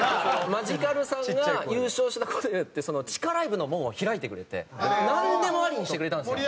マヂカルさんが優勝した事によって地下ライブの門を開いてくれてなんでもありにしてくれたんですよ。